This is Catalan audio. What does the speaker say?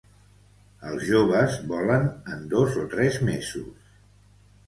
Els joves volen en dos o tres mesos.